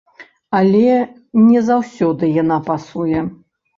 Але не заўсёды яна пасуе.